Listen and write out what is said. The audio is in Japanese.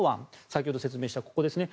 先ほど説明したここですね。